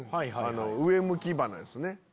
上向き鼻ですね。